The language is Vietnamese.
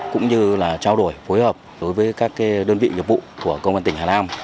cũng như là trao đổi phối hợp đối với các đơn vị nghiệp vụ của công an tỉnh hà nam